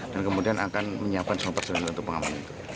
dan kemudian akan menyiapkan semua personil untuk pengamanan itu